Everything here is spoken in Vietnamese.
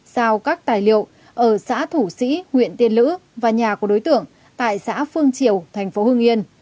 sau các tài liệu ở xã thủ sĩ nguyễn tiên lữ và nhà của đối tượng tại xã phương triều tp hương yên